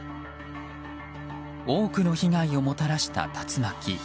多くの被害をもたらした竜巻。